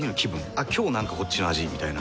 「あっ今日なんかこっちの味」みたいな。